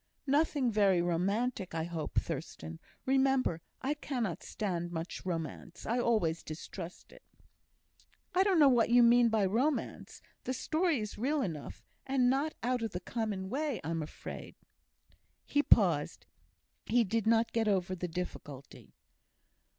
"Nothing very romantic, I hope, Thurstan. Remember, I cannot stand much romance; I always distrust it." "I don't know what you mean by romance. The story is real enough, and not out of the common way, I'm afraid." He paused; he did not get over the difficulty.